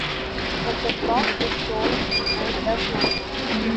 But the cloak is torn and does not work.